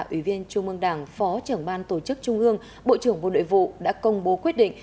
ủy viên trung ương đảng phó trưởng ban tổ chức trung ương bộ trưởng bộ nội vụ đã công bố quyết định